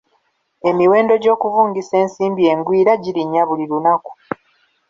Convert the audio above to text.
Emiwendo gy'okuvungisa ensimbi engwira girinnya buli lunaku.